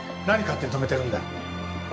何勝手に止めてるんだ？